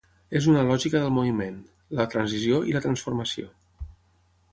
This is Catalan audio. És una lògica del moviment, la transició i la transformació.